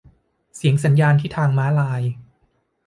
เสียงสัญญาณที่ทางม้าลาย